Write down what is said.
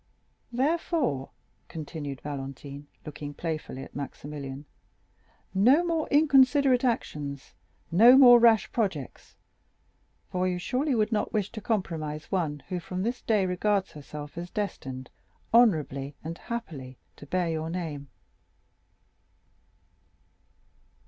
"Therefore," continued Valentine, looking playfully at Maximilian, "no more inconsiderate actions—no more rash projects; for you surely would not wish to compromise one who from this day regards herself as destined, honorably and happily, to bear your name?"